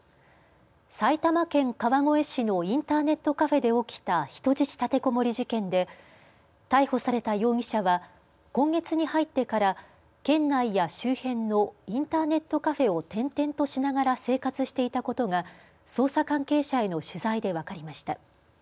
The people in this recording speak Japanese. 埼玉県川越市のインターネットカフェで起きた人質立てこもり事件で逮捕された容疑者は今月に入ってから県内や周辺のインターネットカフェを転々としながら生活していたことが捜査関係者への取材で分かりました。